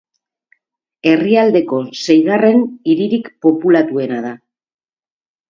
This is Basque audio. Herrialdeko seigarren hiririk populatuena da.